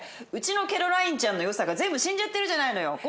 うちのキャロラインちゃんのよさが全部死んじゃってるじゃないのよ。